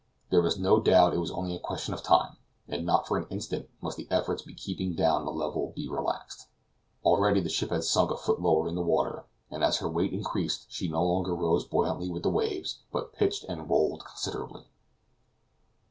There was no doubt it was only a question of time, and not for an instant must the efforts for keeping down the level be relaxed. Already the ship had sunk a foot lower in the water, and as her weight increased she no longer rose buoyantly with the waves, but pitched and rolled considerably.